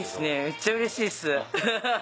めっちゃうれしいっすハハハ。